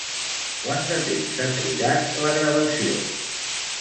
Quant de temps ha trigat la gravació?